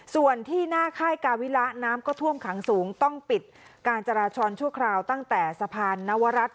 ส่วนที่หน้าค่ายกาวิระน้ำก็ท่วมขังสูงต้องปิดการจราจรชั่วคราวตั้งแต่สะพานนวรัฐ